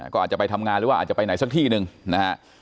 ก็อาจจะไปทำงานหรือว่าอาจจะไปไหนสักที่หนึ่งนะฮะ